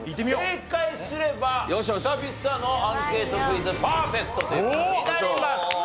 正解すれば久々のアンケートクイズパーフェクトという事になります。